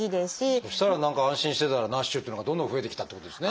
そしたら何か安心してたらＮＡＳＨっていうのがどんどん増えてきたっていうことですね。